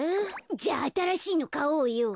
じゃああたらしいのかおうよ。